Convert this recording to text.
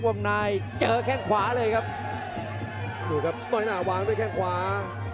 วงนายเจอแข้งขวาเลยครับนี่ครับปัญหาวางเป็นแข้งขวา